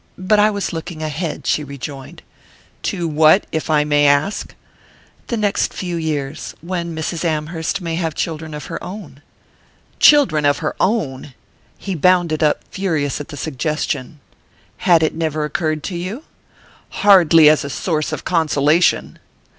But I was looking ahead," she rejoined. "To what if I may ask?" "The next few years when Mrs. Amherst may have children of her own." "Children of her own?" He bounded up, furious at the suggestion. "Had it never occurred to you?" "Hardly as a source of consolation!"